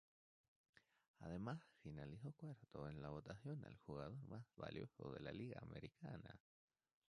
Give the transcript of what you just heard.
Además, finalizó cuarto en la votación al Jugador Más Valioso de la Liga Americana.